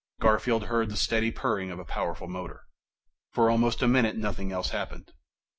Garfield heard the steady purring of a powerful motor. For almost a minute, nothing else happened.